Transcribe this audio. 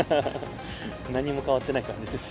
何も変わってない感じです。